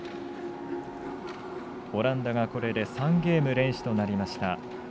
オランダがこれで３ゲーム連取となりました。